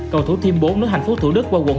cầu thủ thiêm bốn nước tp thủ đức qua quận bảy